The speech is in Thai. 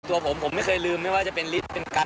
ตัวผมผมไม่เคยลืมไม่ว่าจะเป็นฤทธิ์เป็นกั๊